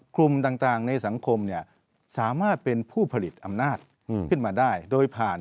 กลุ่มต่างในสังคมเนี่ยสามารถเป็นผู้ผลิตอำนาจขึ้นมาได้โดยผ่าน